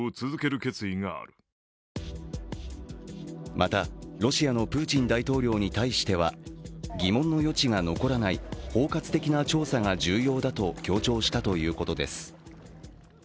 またロシアのプーチン大統領に対しては疑問の余地が残らない、包括的な調査が重要だと強調したということです。